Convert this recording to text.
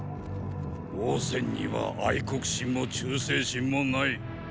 王翦には愛国心も忠誠心もない。